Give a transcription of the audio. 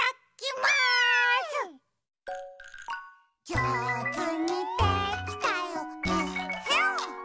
「じょうずにできたよえっへん」